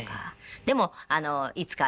でもいつか私